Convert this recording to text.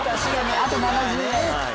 あと７０円。